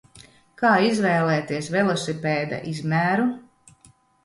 Kā izvēlēties velosipēda izmēru?